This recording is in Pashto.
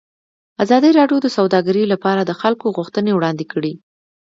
ازادي راډیو د سوداګري لپاره د خلکو غوښتنې وړاندې کړي.